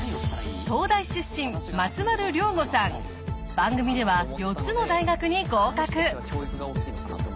番組では４つの大学に合格。